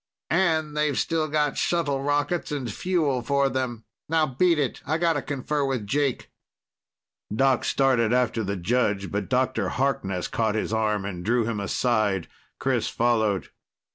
And they've still got shuttle rockets and fuel for them. Now beat it. I gotta confer with Jake." Doc started after the judge, but Dr. Harkness caught his arm and drew him aside. Chris followed.